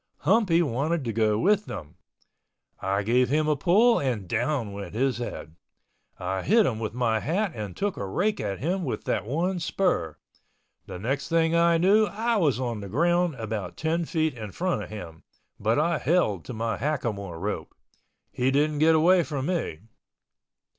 Humpy wanted to go with them. I gave him a pull and down went his head. I hit him with my hat and took a rake at him with that one spur. The next thing I knew I was on the ground about ten feet in front of him, but I held to my hackamore rope. He didn't get away from me.